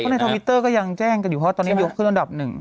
ในทวิตเตอร์ก็ยังแจ้งกันอยู่เพราะตอนนี้ยกขึ้นอันดับหนึ่ง